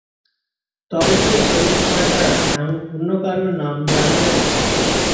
তবে শুধু শরীফ খাঁ ছাড়া অন্য কারো নাম জানা যায়নি।